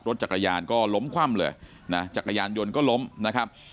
รถจักรยานก็ล้มคว่ำเลยนะจักรยานยนต์ก็ล้มนะครับ